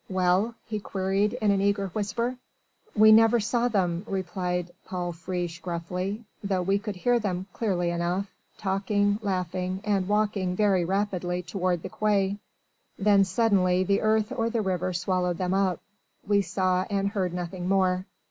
"Well?" he queried in an eager whisper. "We never saw them," replied Paul Friche gruffly, "though we could hear them clearly enough, talking, laughing and walking very rapidly toward the quay. Then suddenly the earth or the river swallowed them up. We saw and heard nothing more."